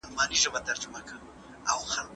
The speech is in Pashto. ښځه باید د خاوند اجازت پرته څوک کور ته رانشي.